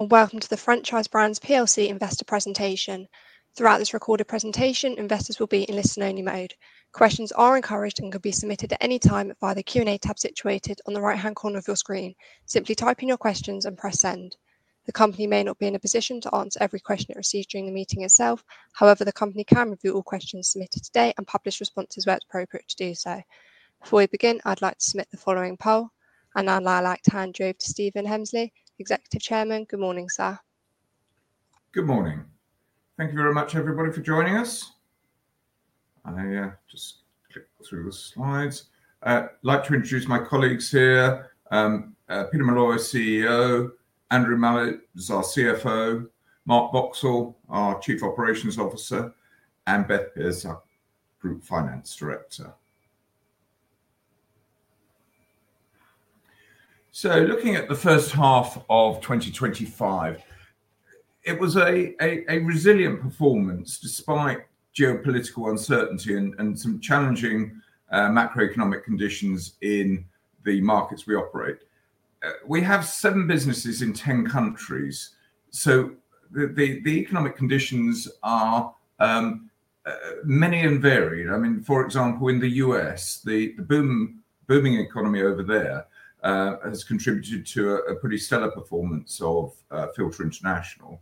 Welcome to the Franchise Brands plc investor presentation. Throughout this recorded presentation, investors will be in listen-only mode. Questions are encouraged and can be submitted at any time via the Q&A tab situated on the right-hand corner of your screen. Simply type in your questions and press send. The company may not be in a position to answer every question it receives during the meeting itself. However, the company can review all questions submitted today and publish responses where appropriate to do so. Before we begin, I'd like to submit the following poll. Now I'd like to hand you over to Stephen Hemsley, Executive Chairman. Good morning, sir. Good morning. Thank you very much, everybody, for joining us. I just clicked through the slides. I'd like to introduce my colleagues here: Peter Molloy, CEO; Andrew Mallows, our CFO; Mark Boxall, our Chief Operating Officer; and Beth Peace, our Group Finance Director. Looking at the first half of 2025, it was a resilient performance despite geopolitical uncertainty and some challenging macro-economic conditions in the markets we operate. We have seven businesses in ten countries, so the economic conditions are many and varied. For example, in the U.S., the booming economy over there has contributed to a pretty stellar performance of Filta International.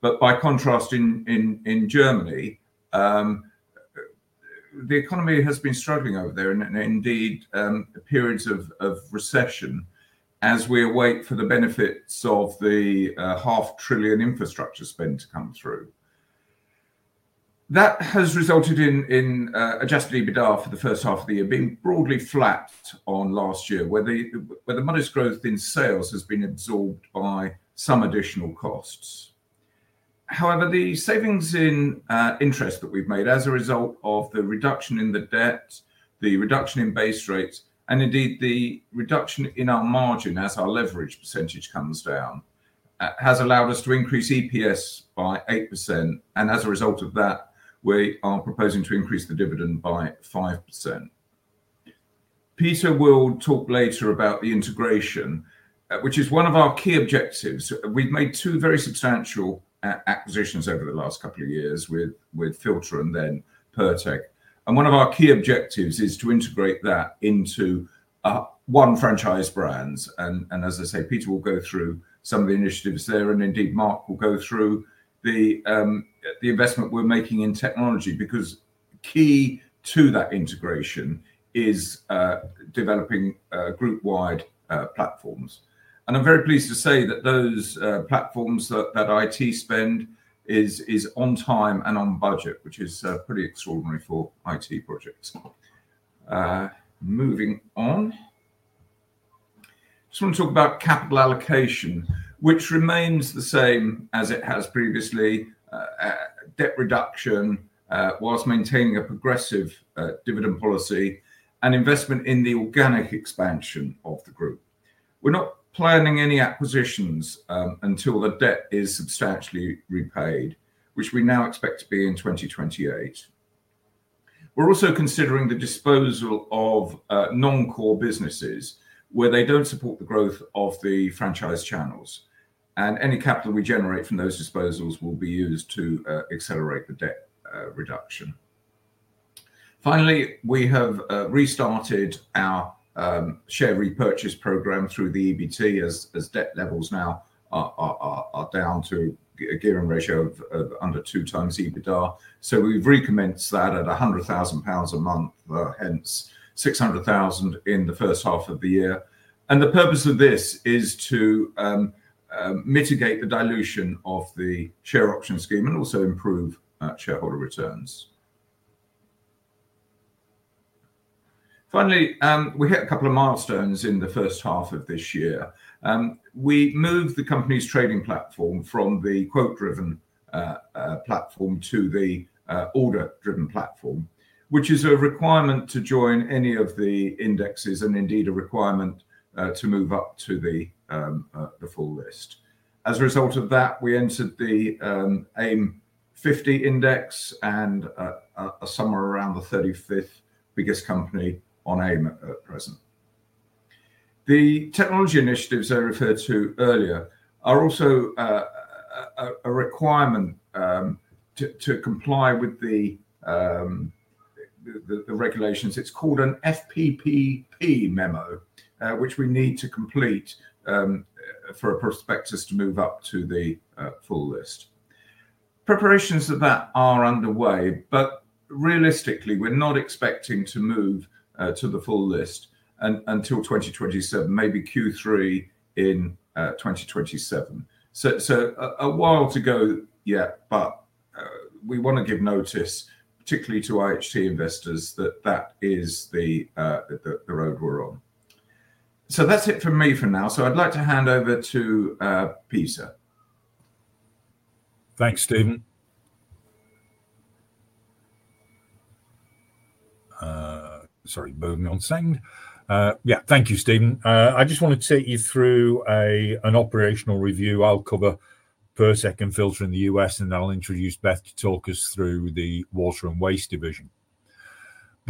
By contrast, in Germany, the economy has been struggling over there and indeed periods of recession as we await for the benefits of the half-trillion infrastructure spend to come through. That has resulted in adjusted EBITDA for the first half of the year being broadly flat on last year, where the modest growth in sales has been absorbed by some additional costs. However, the savings in interest that we've made as a result of the reduction in the debt, the reduction in base rates, and indeed the reduction in our margin as our leverage percentage comes down, has allowed us to increase EPS by 8%. As a result of that, we are proposing to increase the dividend by 5%. Peter will talk later about the integration, which is one of our key objectives. We've made two very substantial acquisitions over the last couple of years with Filta and then Pirtek. One of our key objectives is to integrate that into one Franchise Brands. Peter will go through some of the initiatives there and Mark will go through the investment we're making in technology because key to that integration is developing group-wide platforms. I'm very pleased to say that those platforms, that IT spend is on time and on budget, which is pretty extraordinary for IT projects. Moving on, I just want to talk about capital allocation, which remains the same as it has previously: debt reduction whilst maintaining a progressive dividend policy and investment in the organic expansion of the group. We're not planning any acquisitions until the debt is substantially repaid, which we now expect to be in 2028. We're also considering the disposal of non-core businesses where they don't support the growth of the franchise channels, and any capital we generate from those disposals will be used to accelerate the debt reduction. Finally, we have restarted our share repurchase program through the EBT as debt levels now are down to a given ratio of under 2x EBITDA. We've recommenced that at 100,000 pounds a month, hence 600,000 in the first half of the year. The purpose of this is to mitigate the dilution of the share option scheme and also improve shareholder returns. We hit a couple of milestones in the first half of this year. We moved the company's trading platform from the quote-driven platform to the order-driven platform, which is a requirement to join any of the indexes and indeed a requirement to move up to the full list. As a result of that, we entered the AIM 50 index and are somewhere around the 35th biggest company on AIM at present. The technology initiatives I referred to earlier are also a requirement to comply with the regulations. It's called an FPPP memo, which we need to complete for prospectus to move up to the full list. Preparations of that are underway, but realistically, we're not expecting to move to the full list until 2027, maybe Q3 in 2027. There is a while to go yet, but we want to give notice, particularly to IHG investors, that that is the road we're on. That's it for me for now. I'd like to hand over to Peter. Thanks, Stephen. Thank you, Stephen. I just want to take you through an operational review. I'll cover Pirtek and Filta in the U.S., and then I'll introduce Beth to talk us through the Water & Waste Division.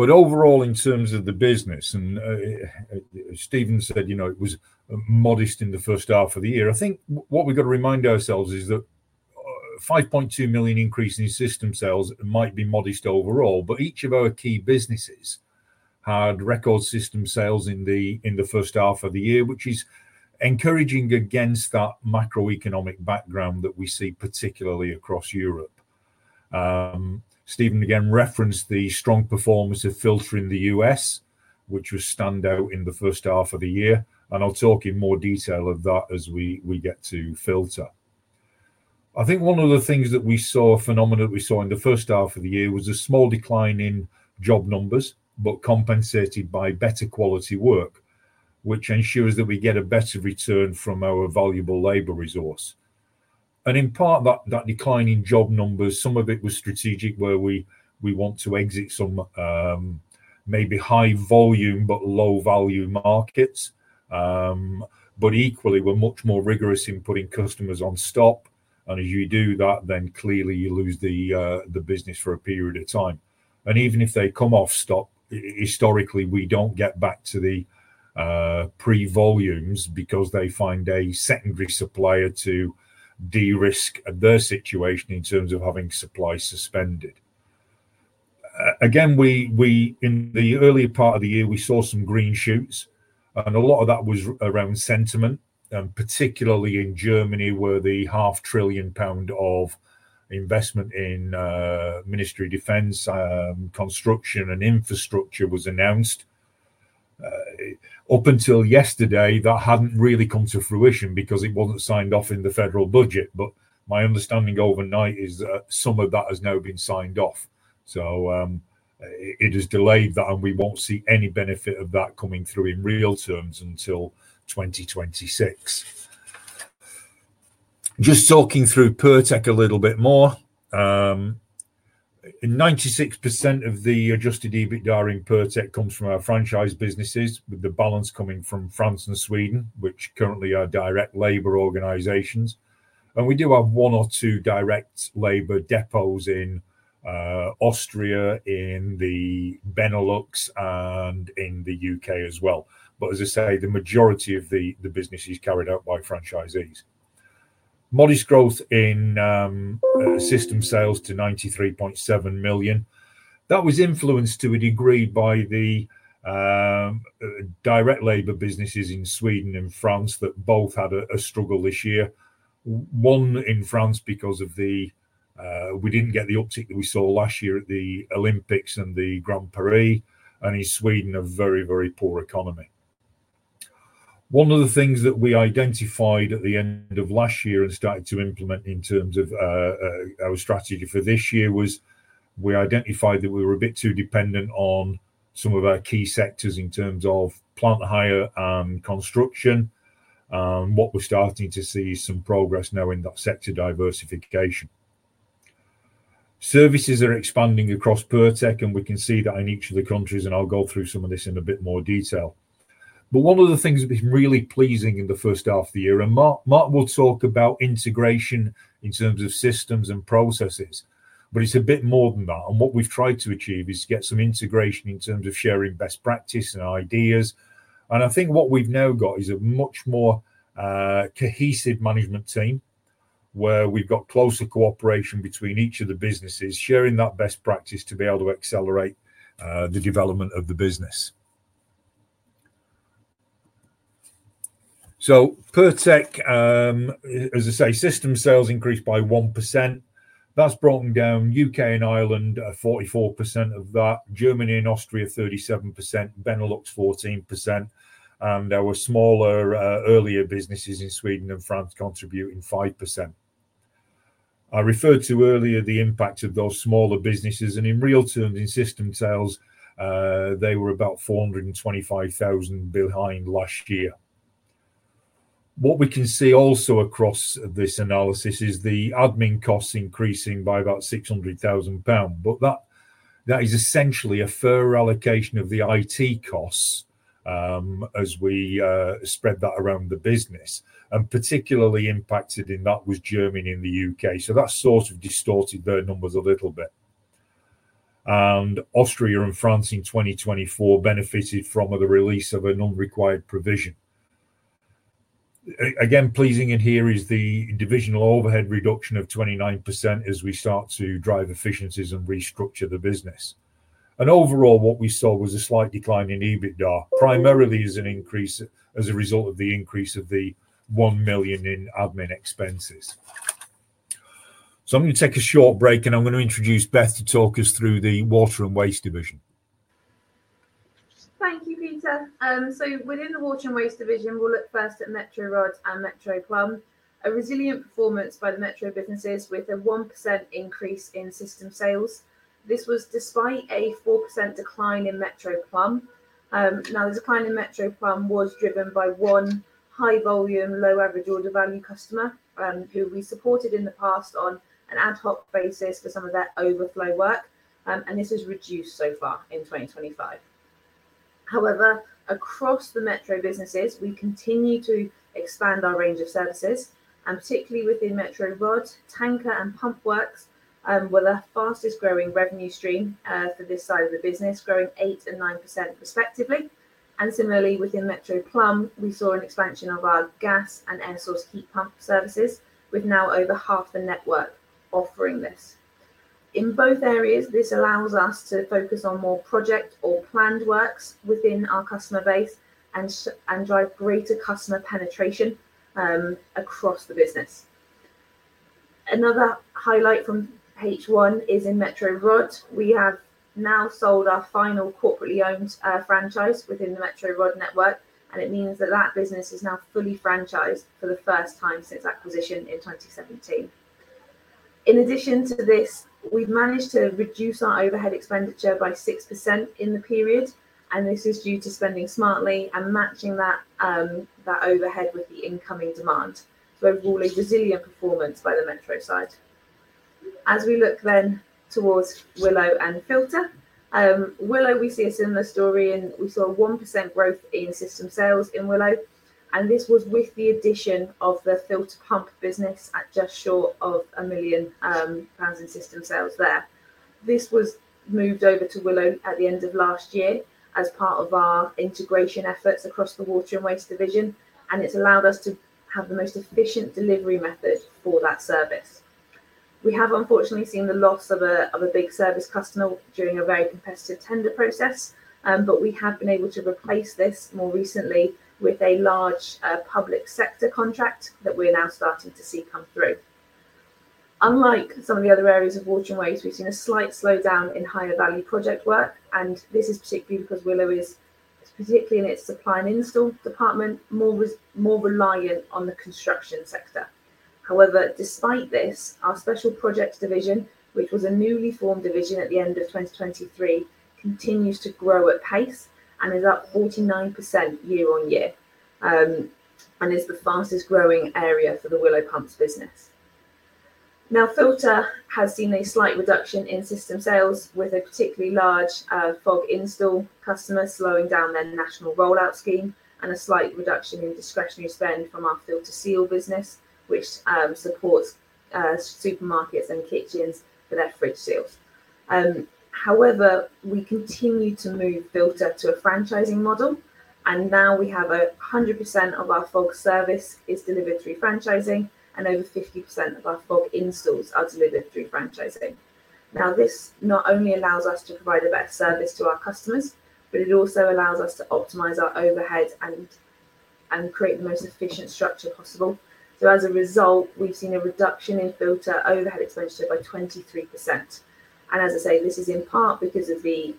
Overall, in terms of the business, as Stephen said, it was modest in the first half of the year. I think what we've got to remind ourselves is that a 5.2 million increase in System Sales might be modest overall, but each of our key businesses had record System Sales in the first half of the year, which is encouraging against that macro-economic background that we see, particularly across Europe. Stephen again referenced the strong performance of Filta in the U.S., which was standout in the first half of the year. I'll talk in more detail about that as we get to Filta. I think one of the things that we saw, a phenomenon that we saw in the first half of the year, was a small decline in job numbers, but compensated by better quality work, which ensures that we get a better return from our valuable labor resource. In part, that decline in job numbers, some of it was strategic, where we want to exit some maybe high volume but low value markets. Equally, we're much more rigorous in putting customers on stop. As you do that, then clearly you lose the business for a period of time. Even if they come off stop, historically, we don't get back to the pre-volumes because they find a secondary supplier to de-risk their situation in terms of having supply suspended. In the earlier part of the year, we saw some green shoots, and a lot of that was around sentiment, particularly in Germany, where the half-trillion pound of investment in Ministry of Defence, construction, and infrastructure was announced. Up until yesterday, that hadn't really come to fruition because it wasn't signed off in the federal budget. My understanding overnight is that some of that has now been signed off. It has delayed that, and we won't see any benefit of that coming through in real terms until 2026. Just talking through Pirtek a little bit more, 96% of the adjusted EBITDA in Pirtek comes from our franchise businesses, with the balance coming from France and Sweden, which currently are direct labor organizations. We do have one or two direct labor depots in Austria, in the Benelux, and in the U.K. as well. As I say, the majority of the business is carried out by franchisees. Modest growth in System Sales to 93.7 million. That was influenced to a degree by the direct labor businesses in Sweden and France that both had a struggle this year. One in France because we didn't get the uptick that we saw last year at the Olympics and the Grand Prix. In Sweden, a very, very poor economy. One of the things that we identified at the end of last year and started to implement in terms of our strategy for this year was we identified that we were a bit too dependent on some of our key sectors in terms of plant hire and construction. What we're starting to see is some progress now in that sector diversification. Services are expanding across Pirtek, and we can see that in each of the countries. I'll go through some of this in a bit more detail. One of the things that is really pleasing in the first half of the year, and Mark will talk about integration in terms of systems and processes, is it's a bit more than that. What we've tried to achieve is to get some integration in terms of sharing best practice and ideas. I think what we've now got is a much more cohesive management team where we've got closer cooperation between each of the businesses, sharing that best practice to be able to accelerate the development of the business. Pirtek, as I say, System Sales increased by 1%. That's brought down U.K. and Ireland at 44% of that, Germany and Austria at 37%, Benelux at 14%, and there were smaller earlier businesses in Sweden and France contributing 5%. I referred to earlier the impact of those smaller businesses, and in real terms, in System Sales, they were about 425,000 behind last year. What we can see also across this analysis is the admin costs increasing by about 600,000 pounds, but that is essentially a further allocation of the IT costs as we spread that around the business. Particularly impacted in that was Germany and the U.K.. That's sort of distorted their numbers a little bit. Austria and France in 2024 benefited from the release of an unrequired provision. Again, pleasing in here is the divisional overhead reduction of 29% as we start to drive efficiencies and restructure the business. Overall, what we saw was a slight decline in EBITDA, primarily as a result of the increase of the 1 million in admin expenses. I'm going to take a short break, and I'm going to introduce Beth to talk us through the Water & Waste Division. Thank you, Peter. Within the Water & Waste Division, we'll look first at Metro Rod and Metro Plumb, a resilient performance by the Metro businesses with a 1% increase in System Sales. This was despite a 4% decline in Metro Plumb. The decline in Metro Plumb was driven by one high volume, low average order value customer who we supported in the past on an ad hoc basis for some of their overflow work. This was reduced so far in 2024. However, across the Metro businesses, we continue to expand our range of services, particularly within Metro Rod, Tanker & Pump works, with our fastest growing revenue stream for this side of the business, growing 8% and 9% respectively. Similarly, within Metro Plumb, we saw an expansion of our gas and air source heat pump services, with now over half the network offering this. In both areas, this allows us to focus on more project or planned works within our customer base and drive greater customer penetration across the business. Another highlight from H1 is in Metro Rod. We have now sold our final corporately owned franchise within the Metro Rod network, and it means that that business is now fully franchised for the first time since acquisition in 2017. In addition to this, we've managed to reduce our overhead expenditure by 6% in the period, and this is due to spending smartly and matching that overhead with the incoming demand. Overall, a resilient performance by the Metro side. As we look then towards Willow and Filta, Willow, we see a similar story, and we saw 1% growth in System Sales in Willow. This was with the addition of the Filta Pump business at just short of 1 million pounds in System Sales there. This was moved over to Willow at the end of last year as part of our integration efforts across the Water & Waste Division, and it's allowed us to have the most efficient delivery method for that service. We have, unfortunately, seen the loss of a big service customer during a very competitive tender process, but we have been able to replace this more recently with a large public sector contract that we're now starting to see come through. Unlike some of the other areas of Water & Waste, we've seen a slight slowdown in higher value project work, and this is particularly because Willow is, particularly in its supply and install department, more reliant on the construction sector. However, despite this, our Special Projects division, which was a newly formed division at the end of 2023, continues to grow at pace and is up 49% year on year and is the fastest growing area for the Willow Pumps business. Now, Filta has seen a slight reduction in System Sales with a particularly large FOG Install customer slowing down their national rollout scheme and a slight reduction in discretionary spend from our FiltaSeal business, which supports supermarkets and kitchens for their fridge seals. However, we continue to move Filta to a franchising model, and now we have 100% of our FOG service delivered through franchising, and over 50% of our FOG installs are delivered through franchising. This not only allows us to provide a better service to our customers, but it also allows us to optimize our overhead and create the most efficient structure possible. As a result, we've seen a reduction in Filta overhead exposure by 23%. This is in part because of the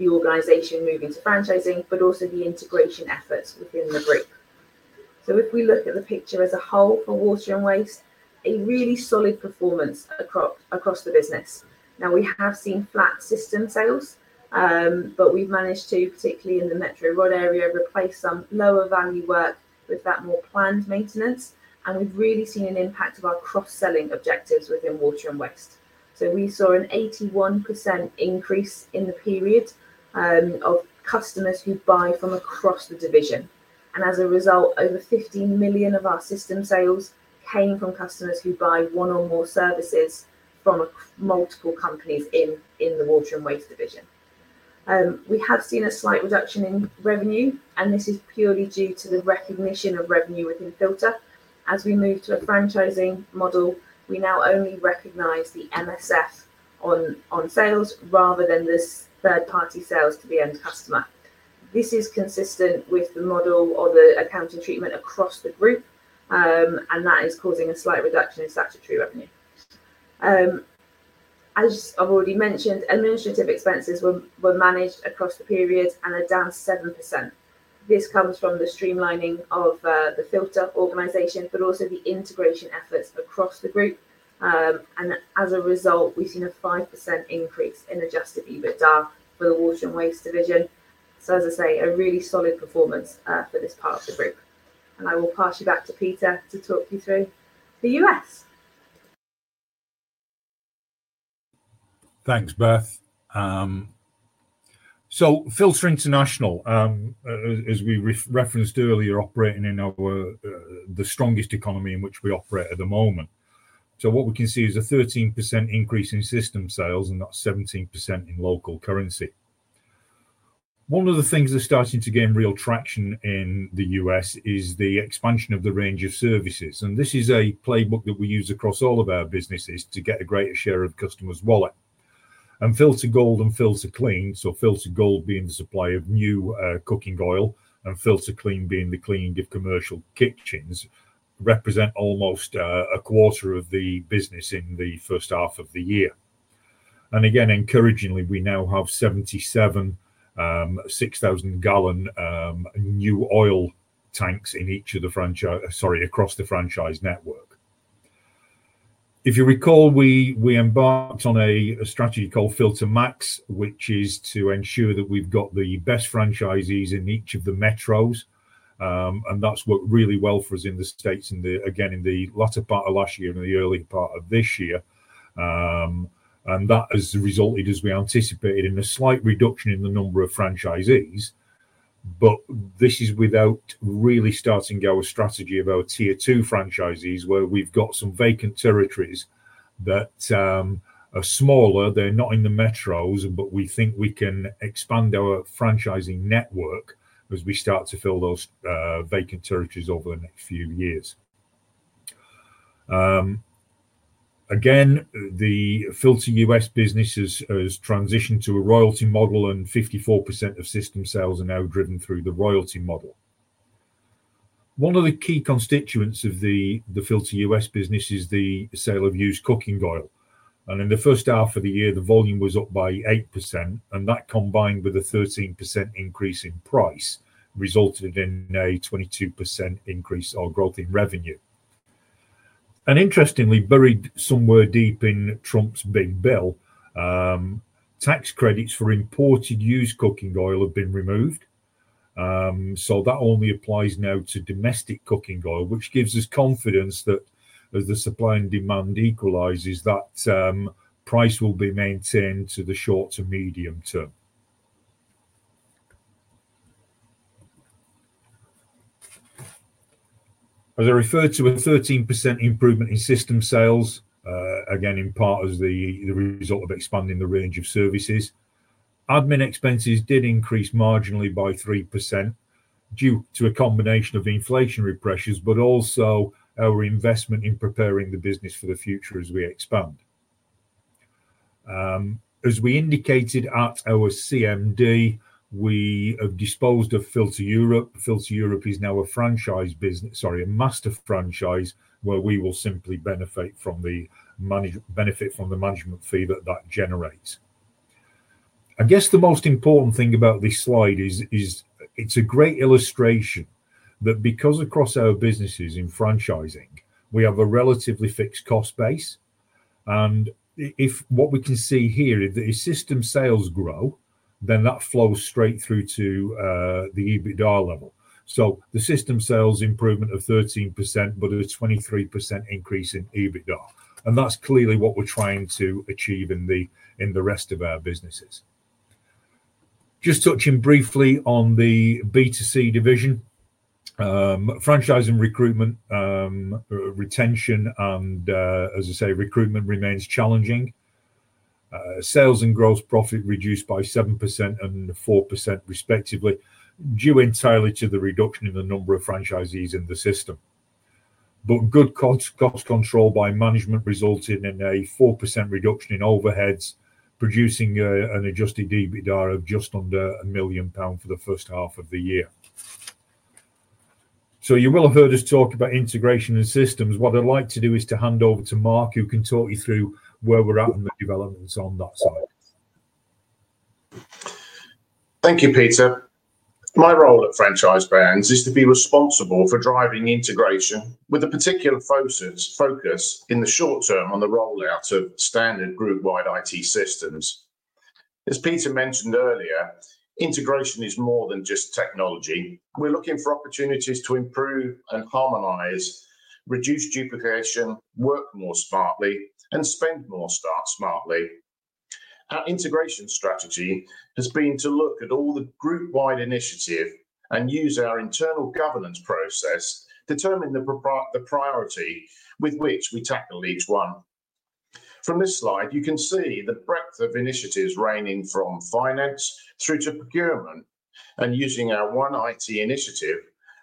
organization moving to franchising, but also the integration efforts within the group. If we look at the picture as a whole for Water & Waste, there is a really solid performance across the business. We have seen flat System Sales, but we've managed to, particularly in the Metro Rod area, replace some lower value work with that more planned maintenance. We've really seen an impact of our cross-selling objectives within Water & Waste. We saw an 81% increase in the period of customers who buy from across the division, and as a result, over $15 million of our System Sales came from customers who buy one or more services from multiple companies in the Water & Waste Division. We have seen a slight reduction in revenue, and this is purely due to the recognition of revenue within Filta. As we move to a franchising model, we now only recognize the MSF on sales rather than the third-party sales to the end customer. This is consistent with the model or the accounting treatment across the group, and that is causing a slight reduction in statutory revenue. As I've already mentioned, administrative expenses were managed across the period and are down 7%. This comes from the streamlining of the Filta organization, but also the integration efforts across the group. As a result, we've seen a 5% increase in adjusted EBITDA for the Water & Waste Division. A really solid performance for this part of the group. I will pass you back to Peter to talk you through the U.S. Thanks, Beth. Filta International, as we referenced earlier, is operating in the strongest economy in which we operate at the moment. What we can see is a 13% increase in System Sales and that's 17% in local currency. One of the things that's starting to gain real traction in the U.S. is the expansion of the range of services. This is a playbook that we use across all of our businesses to get a greater share of customers' wallet. FiltaGold and FiltaClean, so FiltaGold being the supplier of new cooking oil and FiltaClean being the cleaning of commercial kitchens, represent almost a quarter of the business in the first half of the year. Encouragingly, we now have 77,000 gal new oil tanks in each of the franchise, sorry, across the franchise network. If you recall, we embarked on a strategy called FiltaMax, which is to ensure that we've got the best franchisees in each of the metros. That's worked really well for us in the States, in the latter part of last year and the early part of this year. That has resulted, as we anticipated, in a slight reduction in the number of franchisees. This is without really starting our strategy of our tier two franchisees, where we've got some vacant territories that are smaller. They're not in the metros, but we think we can expand our franchising network as we start to fill those vacant territories over the next few years. The Filta US businesses have transitioned to a royalty model, and 54% of System Sales are now driven through the royalty model. One of the key constituents of the Filta US business is the sale of used cooking oil. In the first half of the year, the volume was up by 8%. That, combined with a 13% increase in price, resulted in a 22% increase or growth in revenue. Interestingly, buried somewhere deep in Trump's big bill, tax credits for imported used cooking oil have been removed. That only applies now to domestic cooking oil, which gives us confidence that as the supply and demand equalizes, that price will be maintained in the short to medium term. As I referred to, a 13% improvement in System Sales, in part as the result of expanding the range of services. Admin expenses did increase marginally by 3% due to a combination of inflationary pressures, but also our investment in preparing the business for the future as we expand. As we indicated at our CMD, we have disposed of Filta Europe. Filta Europe is now a franchise business, sorry, a master franchise, where we will simply benefit from the management fee that that generates. I guess the most important thing about this slide is it's a great illustration that because across our businesses in franchising, we have a relatively fixed cost base. If what we can see here, if the System Sales grow, then that flows straight through to the EBITDA level. The System Sales improvement of 13%, but a 23% increase in EBITDA. That's clearly what we're trying to achieve in the rest of our businesses. Just touching briefly on the B2C division, franchising recruitment, retention, and as I say, recruitment remains challenging. Sales and gross profit reduced by 7% and 4% respectively, due entirely to the reduction in the number of franchisees in the system. Good cost control by management resulted in a 4% reduction in overheads, producing an adjusted EBITDA of just under 1 million pound for the first half of the year. You will have heard us talk about integration and systems. What I'd like to do is to hand over to Mark, who can talk you through where we're at and the developments on that side. Thank you, Peter. My role at Franchise Brands is to be responsible for driving integration with a particular focus in the short term on the rollout of standard group-wide IT systems. As Peter mentioned earlier, integration is more than just technology. We're looking for opportunities to improve and harmonize, reduce duplication, work more smartly, and spend more smartly. Our integration strategy has been to look at all the group-wide initiatives and use our internal governance process to determine the priority with which we tackle each one. From this slide, you can see the breadth of initiatives ranging from finance through to procurement. Using our One IT initiative,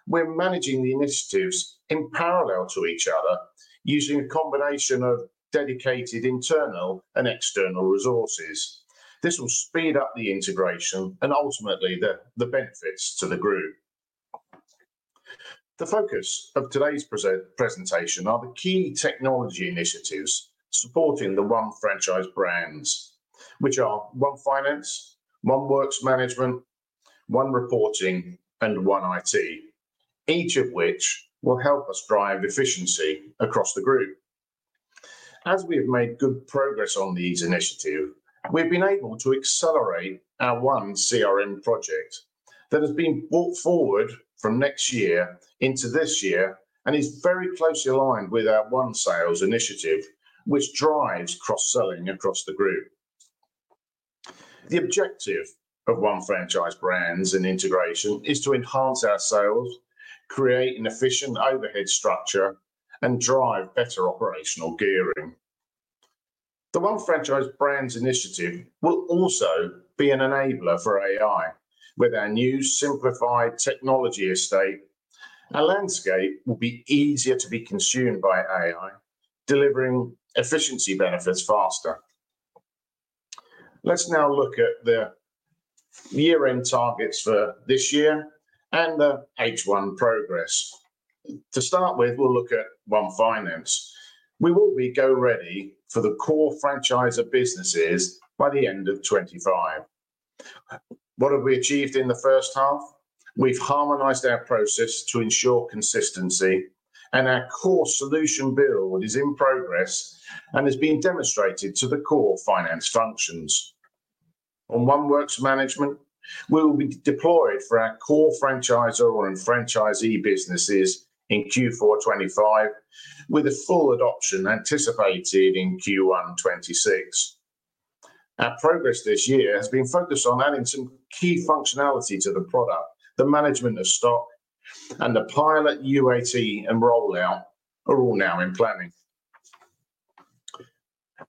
we're managing the initiatives in parallel to each other using a combination of dedicated internal and external resources. This will speed up the integration and ultimately the benefits to the group. The focus of today's presentation are the key technology initiatives supporting the One Franchise Brands, which are One Finance, One Works Management, One Reporting, and One IT, each of which will help us drive efficiency across the group. As we have made good progress on these initiatives, we've been able to accelerate our One CRM project that has been brought forward from next year into this year and is very closely aligned with our One Sales initiative, which drives cross-selling across the group. The objective of One Franchise Brands and integration is to enhance our sales, create an efficient overhead structure, and drive better operational gearing. The One Franchise Brands initiative will also be an enabler for AI. With our new simplified technology estate, our landscape will be easier to be consumed by AI, delivering efficiency benefits faster. Let's now look at the year-end targets for this year and the H1 progress. To start with, we'll look at One Finance. We will be go ready for the core franchise of businesses by the end of 2025. What have we achieved in the first half? We've harmonized our process to ensure consistency, and our core solution build is in progress and has been demonstrated to the core finance functions. On One Works Management, we will be deployed for our core franchisor and franchisee businesses in Q4 2025, with a full adoption anticipated in Q1 2026. Our progress this year has been focused on adding some key functionality to the product. The management of stock and the Pilot, UAT, and rollout are all now in planning.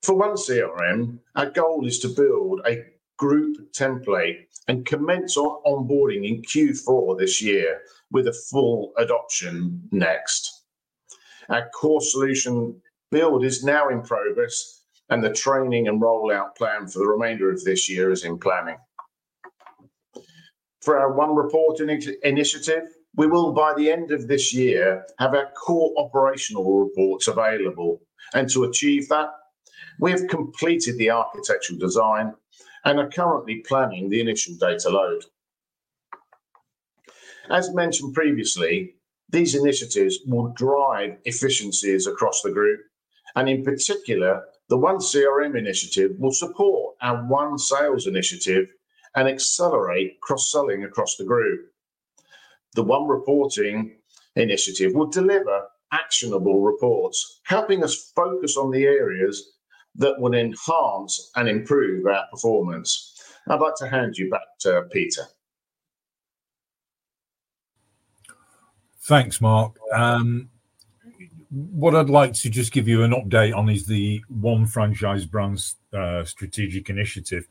For One CRM, our goal is to build a group template and commence our onboarding in Q4 this year with a full adoption next. Our core solution build is now in progress, and the training and rollout plan for the remainder of this year is in planning. For our One Reporting initiative, we will, by the end of this year, have our core operational reports available. To achieve that, we have completed the architectural design and are currently planning the initial data load. As mentioned previously, these initiatives will drive efficiencies across the group. In particular, the One CRM initiative will support our One Sales initiative and accelerate cross-selling across the group. The One Reporting initiative will deliver actionable reports, helping us focus on the areas that will enhance and improve our performance. I'd like to hand you back to Peter. Thanks, Mark. What I'd like to just give you an update on is the One Franchise Brands strategic initiative.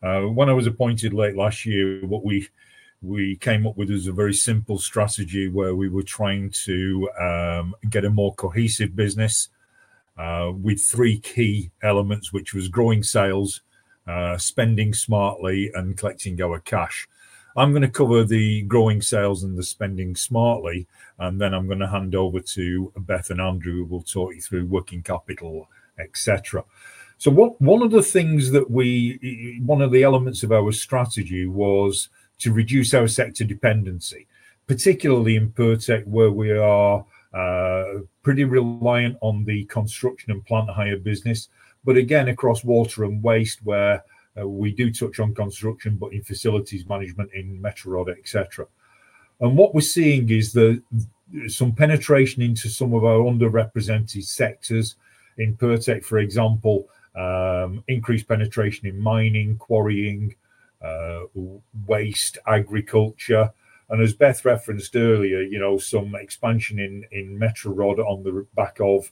When I was appointed late last year, what we came up with is a very simple strategy where we were trying to get a more cohesive business with three key elements, which were growing sales, spending smartly, and collecting our cash. I'm going to cover the growing sales and the spending smartly, and then I'm going to hand over to Beth and Andrew who will talk you through working capital, etc. One of the things that we, one of the elements of our strategy was to reduce our sector dependency, particularly in Pirtek where we are pretty reliant on the construction and plant hire business, but again across Water & Waste where we do touch on construction, but in facilities management in Metro Rod, etc. What we're seeing is some penetration into some of our underrepresented sectors. In Pirtek, for example, increased penetration in mining, quarrying, waste, agriculture, and as Beth referenced earlier, you know, some expansion in Metro Rod on the back of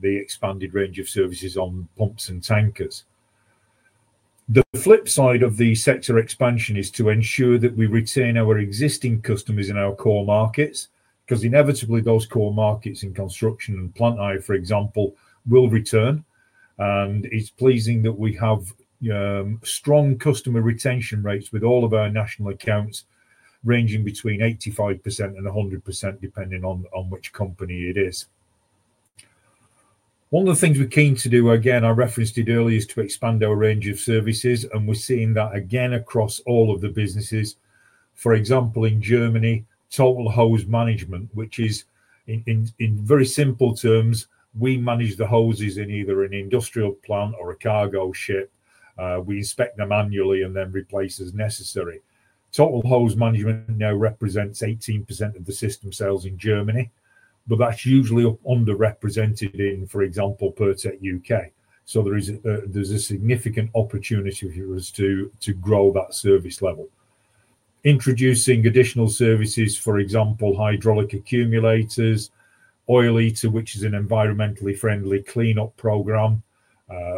the expanded range of services on pumps and tankers. The flip side of the sector expansion is to ensure that we retain our existing customers in our core markets because inevitably those core markets in construction and plant hire, for example, will return. It's pleasing that we have strong customer retention rates with all of our national accounts ranging between 85% and 100% depending on which company it is. One of the things we're keen to do, again, I referenced it earlier, is to expand our range of services, and we're seeing that again across all of the businesses. For example, in Germany, total hose management, which is in very simple terms, we manage the hoses in either an industrial plant or a cargo ship. We inspect them annually and then replace as necessary. Total hose management now represents 18% of the System Sales in Germany, but that's usually underrepresented in, for example, Pirtek UK. There's a significant opportunity for us to grow that service level. Introducing additional services, for example, hydraulic accumulators, oil heater, which is an environmentally friendly cleanup program,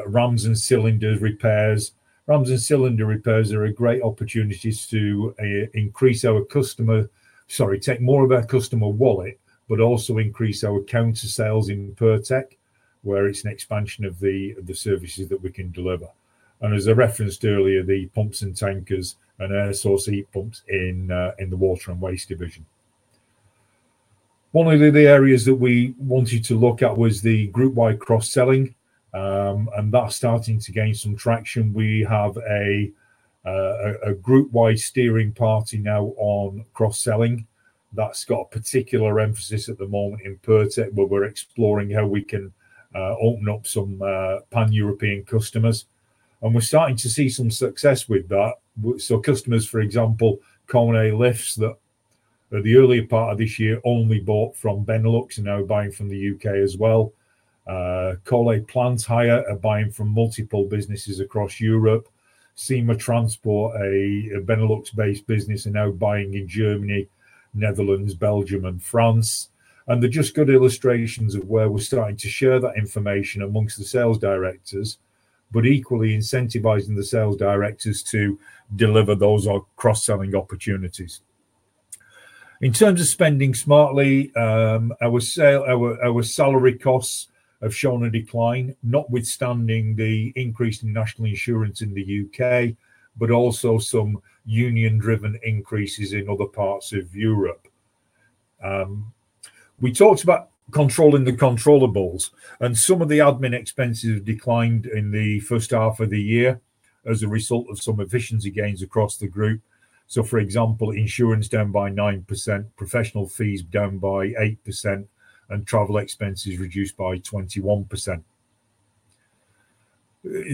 runs and cylinder repairs. Runs and cylinder repairs are a great opportunity to increase our customer, sorry, take more of our customer wallet, but also increase our counter sales in Pirtek where it's an expansion of the services that we can deliver. As I referenced earlier, the pumps and tankers and air source heat pumps in the Water & Waste Division, one of the areas that we wanted to look at was the group-wide cross-selling, and that's starting to gain some traction. We have a group-wide steering party now on cross-selling. That's got a particular emphasis at the moment in Pirtek where we're exploring how we can open up some pan-European customers. We're starting to see some success with that. Customers, for example, [Collé Lifts] that the earlier part of this year only bought from Benelux are now buying from the U.K. as well. Colas Plant Hire are buying from multiple businesses across Europe. SEMA Transport, a Benelux-based business, are now buying in Germany, Netherlands, Belgium, and France. They're just good illustrations of where we're starting to share that information amongst the sales directors, but equally incentivizing the sales directors to deliver those cross-selling opportunities. In terms of spending smartly, our salary costs have shown a decline, notwithstanding the increase in national insurance in the U.K., but also some union-driven increases in other parts of Europe. We talked about controlling the controllables, and some of the admin expenses have declined in the first half of the year as a result of some efficiency gains across the group. For example, insurance down by 9%, professional fees down by 8%, and travel expenses reduced by 21%.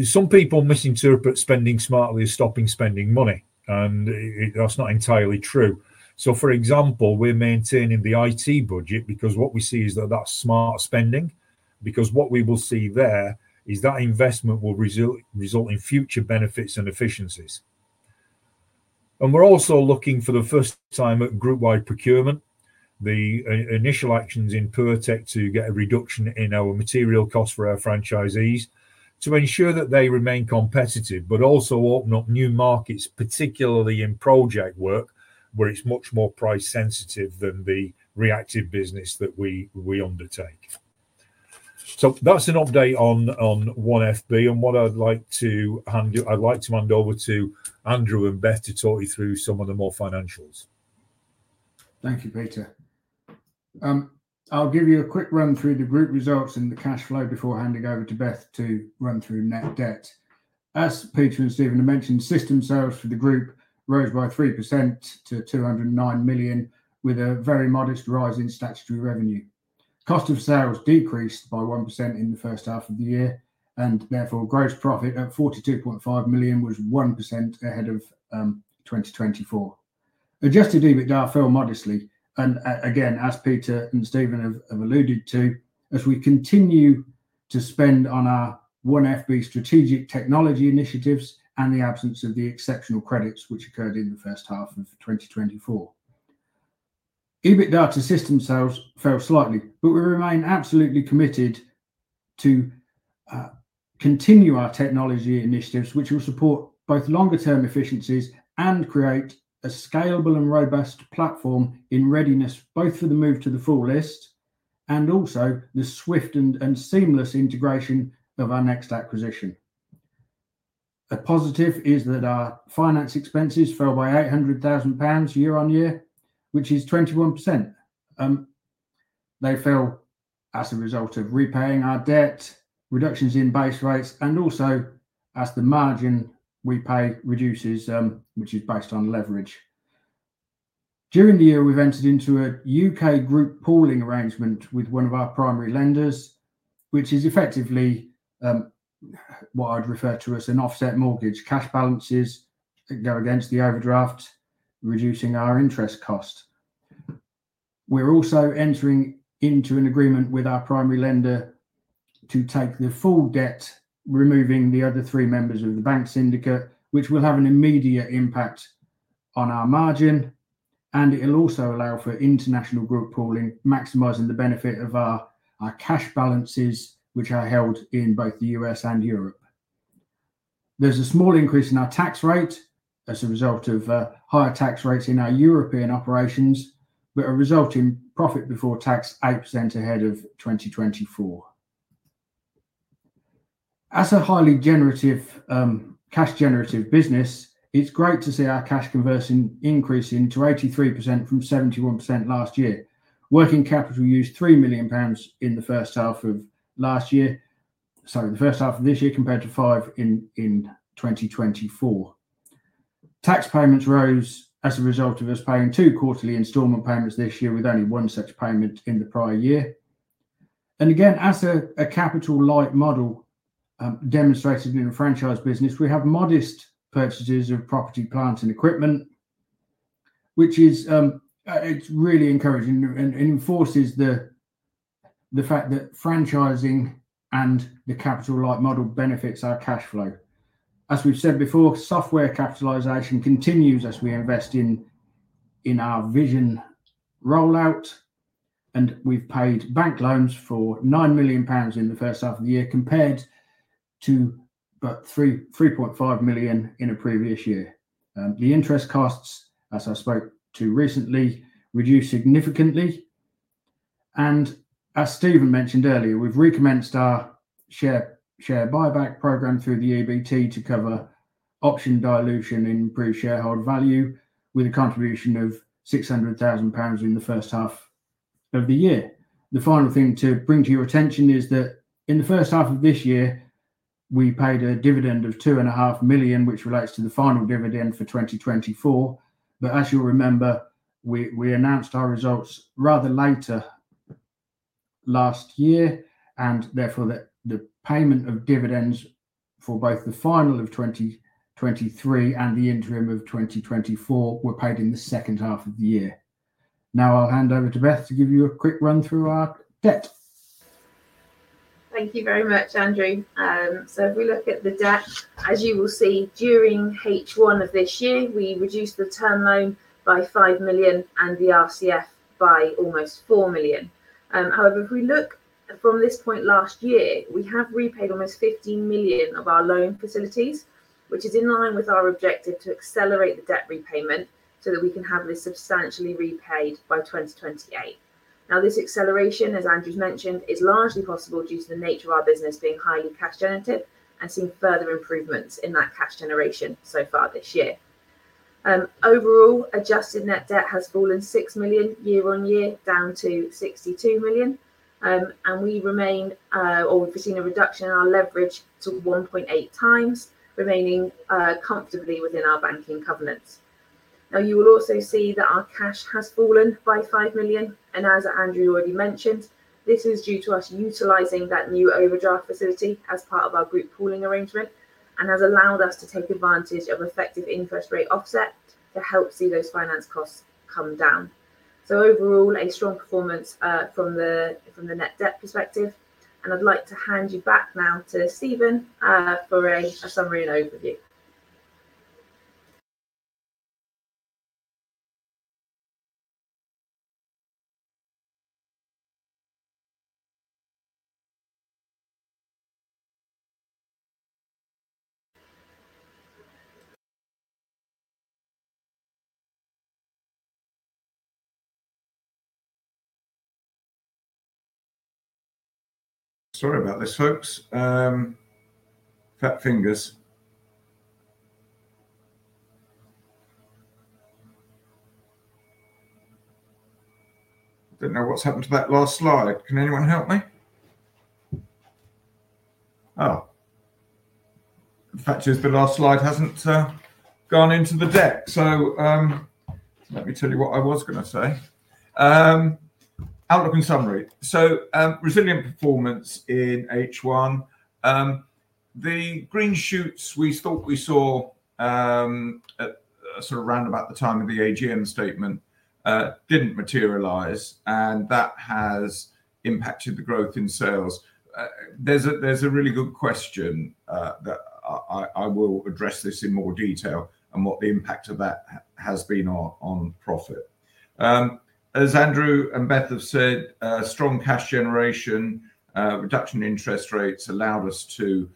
Some people misinterpret spending smartly as stopping spending money, and that's not entirely true. For example, we're maintaining the IT budget because what we see is that that's smart spending because what we will see there is that investment will result in future benefits and efficiencies. We're also looking for the first time at group-wide procurement, the initial actions in Pirtek to get a reduction in our material costs for our franchisees to ensure that they remain competitive, but also open up new markets, particularly in project work where it's much more price sensitive than the reactive business that we undertake. That's an update on One FB and I'd like to hand over to Andrew and Beth to talk you through some of the more financials. Thank you, Peter. I'll give you a quick run-through of the group results and the cash flow before handing over to Beth to run through net debt. As Peter and Stephen have mentioned, System Sales for the group rose by 3% to 209 million with a very modest rise in statutory revenue. Cost of sales decreased by 1% in the first half of the year, and therefore, gross profit at 42.5 million was 1% ahead of 2024. Adjusted EBITDA fell modestly. As Peter and Stephen have alluded to, we continue to spend on our One FB strategic technology initiatives and the absence of the exceptional credits which occurred in the first half of 2024. EBITDA to System Sales fell slightly, but we remain absolutely committed to continue our technology initiatives, which will support both longer-term efficiencies and create a scalable and robust platform in readiness both for the move to the full list and also the swift and seamless integration of our next acquisition. A positive is that our finance expenses fell by 800,000 pounds year on year, which is 21%. They fell as a result of repaying our debt, reductions in base rates, and also as the margin we pay reduces, which is based on leverage. During the year, we've entered into a U.K. group pooling arrangement with one of our primary lenders, which is effectively what I'd refer to as an offset mortgage. Cash balances go against the overdraft, reducing our interest cost. We're also entering into an agreement with our primary lender to take the full debt, removing the other three members of the bank syndicate, which will have an immediate impact on our margin. It'll also allow for international group pooling, maximizing the benefit of our cash balances, which are held in both the U.S. and Europe. There's a small increase in our tax rate as a result of higher tax rates in our European operations, but a result in profit before tax 8% ahead of 2024. As a highly cash-generative business, it's great to see our cash conversion increasing to 83% from 71% last year. Working capital used 3 million pounds in the first half of this year compared to 5 million in 2024. Tax payments rose as a result of us paying two quarterly installment payments this year with only one such payment in the prior year. As a capital-light model demonstrated in the franchise business, we have modest purchases of property, plant, and equipment, which is really encouraging and enforces the fact that franchising and the capital-light model benefits our cash flow. As we've said before, software capitalization continues as we invest in our vision rollout. We've paid bank loans for 9 million pounds in the first half of the year compared to about 3.5 million in the previous year. The interest costs, as I spoke to recently, reduced significantly. As Stephen mentioned earlier, we've recommenced our share buyback program through the EBT to cover option dilution and pre-shareholder value with a contribution of 600,000 pounds in the first half of the year. The final thing to bring to your attention is that in the first half of this year, we paid a dividend of 2.5 million, which relates to the final dividend for 2024. As you'll remember, we announced our results rather later last year, and therefore the payment of dividends for both the final of 2023 and the interim of 2024 were paid in the second half of the year. Now I'll hand over to Beth to give you a quick run-through of our debt. Thank you very much, Andrew. If we look at the debt, as you will see, during H1 of this year, we reduced the term loan by 5 million and the RCF by almost 4 million. However, if we look from this point last year, we have repaid almost 15 million of our loan facilities, which is in line with our objective to accelerate the debt repayment so that we can have this substantially repaid by 2028. This acceleration, as Andrew's mentioned, is largely possible due to the nature of our business being highly cash-generative and seeing further improvements in that cash generation so far this year. Overall, adjusted net debt has fallen 6 million year on year down to 62 million, and we have seen a reduction in our leverage to 1.8x, remaining comfortably within our banking covenants. You will also see that our cash has fallen by 5 million, and as Andrew already mentioned, this is due to us utilizing that new overdraft facility as part of our group pooling arrangement and has allowed us to take advantage of effective interest rate offset to help see those finance costs come down. Overall, a strong performance from the net debt perspective. I'd like to hand you back now to Stephen for a summary and overview. Sorry about this, folks. Fat fingers. I don't know what's happened to that last slide. Can anyone help me? Oh, the fact is the last slide hasn't gone into the deck. Let me tell you what I was going to say. Outlook and summary. Resilient performance in H1. The green shoots we thought we saw sort of round about the time of the AGM statement didn't materialize, and that has impacted the growth in sales. There's a really good question that I will address in more detail and what the impact of that has been on profit. As Andrew and Beth have said, strong cash generation, reduction in interest rates allowed us to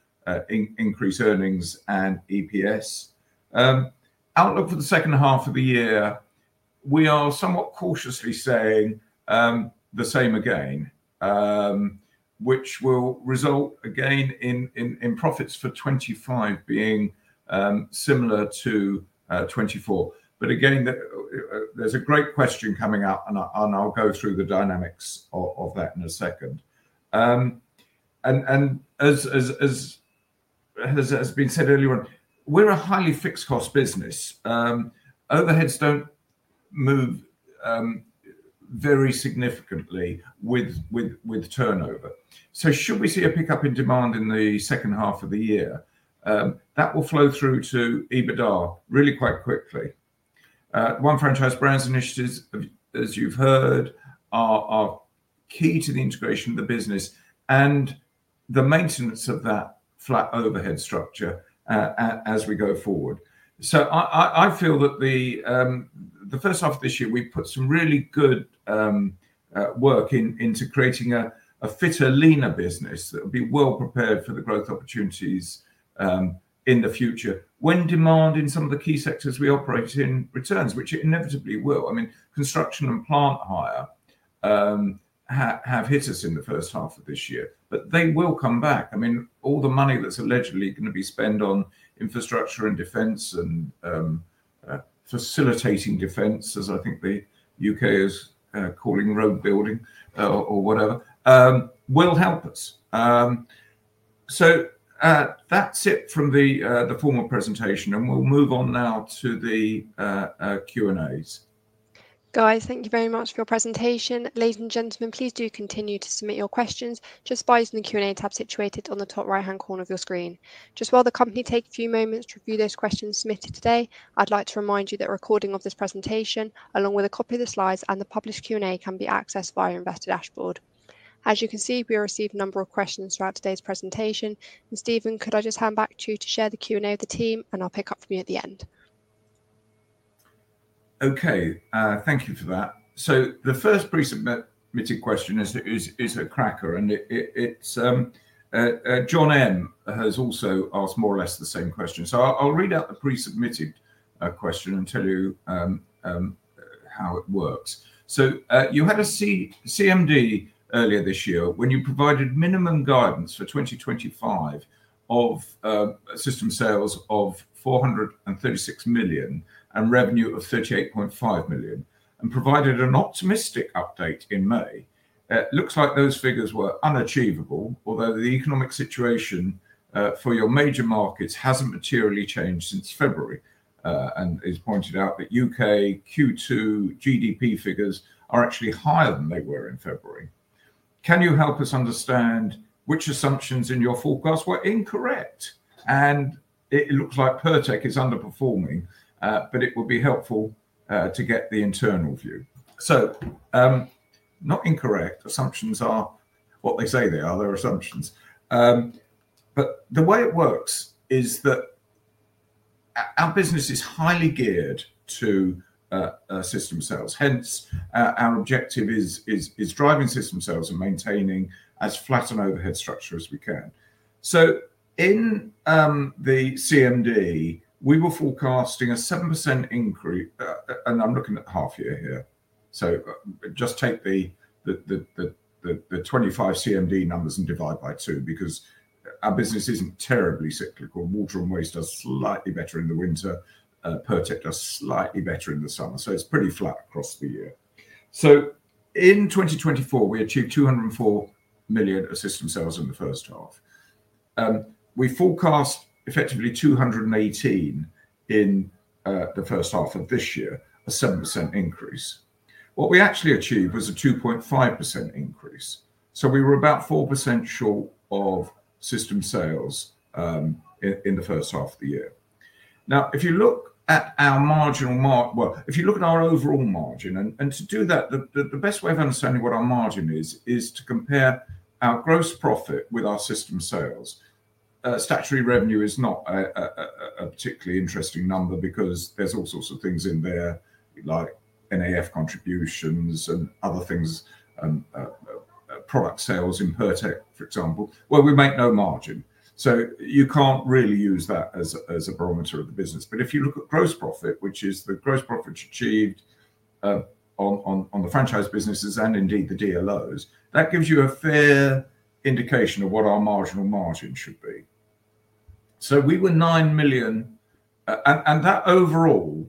increase earnings and EPS. Outlook for the second half of the year, we are somewhat cautiously saying the same again, which will result again in profits for 2025 being similar to 2024. There's a great question coming up, and I'll go through the dynamics of that in a second. As has been said earlier, we're a highly fixed cost business. Overheads don't move very significantly with turnover. Should we see a pickup in demand in the second half of the year, that will flow through to EBITDA really quite quickly. One Franchise Brands initiatives, as you've heard, are key to the integration of the business and the maintenance of that flat overhead structure as we go forward. I feel that the first half of this year, we put some really good work into creating a fitter, leaner business that would be well prepared for the growth opportunities in the future when demand in some of the key sectors we operate in returns, which inevitably will. Construction and plant hire have hit us in the first half of this year, but they will come back. All the money that's allegedly going to be spent on infrastructure and defense and facilitating defense, as I think the U.K. is calling road building or whatever, will help us. That's it from the formal presentation, and we'll move on now to the Q&As. Guys, thank you very much for your presentation. Ladies and gentlemen, please do continue to submit your questions just by using the Q&A tab situated on the top right-hand corner of your screen. While the company takes a few moments to review those questions submitted today, I'd like to remind you that a recording of this presentation, along with a copy of the slides and the published Q&A, can be accessed via Investor Dashboard. As you can see, we received a number of questions throughout today's presentation. Stephen, could I just hand back to you to share the Q&A with the team, and I'll pick up from you at the end? Okay, thank you for that. The first pre-submitted question is a cracker, and John M. has also asked more or less the same question. I'll read out the pre-submitted question and tell you how it works. You had a CMD earlier this year when you provided minimum guidance for 2025 of System Sales of 436 million and revenue of 38.5 million and provided an optimistic update in May. It looks like those figures were unachievable, although the economic situation for your major markets hasn't materially changed since February. It's pointed out that U.K. Q2 GDP figures are actually higher than they were in February. Can you help us understand which assumptions in your forecast were incorrect? It looks like Pirtek is underperforming, but it would be helpful to get the internal view. Not incorrect assumptions are what they say they are. They're assumptions. The way it works is that our business is highly geared to System Sales. Hence, our objective is driving System Sales and maintaining as flat an overhead structure as we can. In the CMD, we were forecasting a 7% increase, and I'm looking at half year here. Just take the 2025 CMD numbers and divide by two because our business isn't terribly cyclical. Water & Waste are slightly better in the winter. Pirtek does slightly better in the summer. It's pretty flat across the year. In 2024, we achieved 204 million of System Sales in the first half. We forecast effectively 218 million in the first half of this year, a 7% increase. What we actually achieved was a 2.5% increase. We were about 4% short of System Sales in the first half of the year. If you look at our marginal market, if you look at our overall margin, the best way of understanding what our margin is is to compare our gross profit with our System Sales. Statutory revenue is not a particularly interesting number because there's all sorts of things in there, like NAF contributions and other things, and product sales in Pirtek, for example, where we make no margin. You can't really use that as a barometer of the business. If you look at gross profit, which is the gross profit achieved on the franchise businesses and indeed the DLOs, that gives you a fair indication of what our marginal margin should be. We were 9 million, and that overall